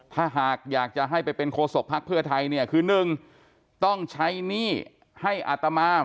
ถ้าหากอยากจะให้ไปเป็นโคศกภักดิ์เพื่อไทยเนี่ยคือ๑ต้องใช้หนี้ให้อาตมา